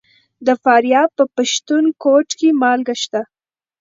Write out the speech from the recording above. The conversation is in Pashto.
د فاریاب په پښتون کوټ کې مالګه شته.